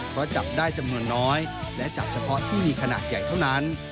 เพราะจับได้จำนวนน้อยและจับเฉพาะที่มีขนาดใหญ่เท่านั้น